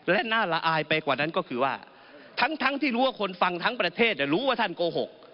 และน่าละอายไปกว่านั้นก็คือว่าทั้งที่รู้ว่าคนฟังทั้งประเทศรู้ว่าท่านโกหก